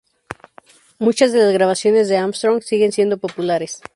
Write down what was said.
Muchas de las grabaciones de Armstrong siguen siendo populares.